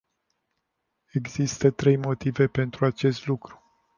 Există trei motive pentru acest lucru.